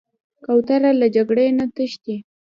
کوتره له جګړې نه تښتي.